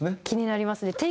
気になりますね。